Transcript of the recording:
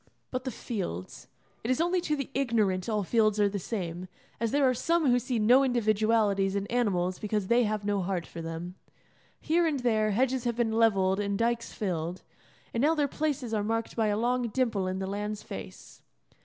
But the fields. It is only to the ignorant all fields are the same; as there are some who see no individualities in animals because they have no heart for them. Here and there hedges have been levelled and dykes filled, and now their places are marked by a long dimple in the land's face.